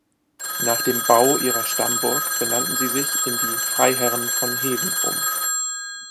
Nach dem Bau ihrer Stammburg benannten sie sich in die "Freiherren von Hewen" um.